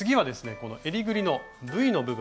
このえりぐりのＶの部分